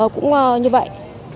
cũng như vậy